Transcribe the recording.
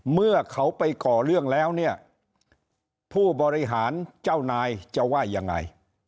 เมื่อเขาไปก่อเรื่องแล้วเนี่ยผู้บริหารเจ้านายจะว่ายังไง